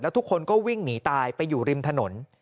ทุกคนก็วิ่งหนีตายไปอยู่ริมถนน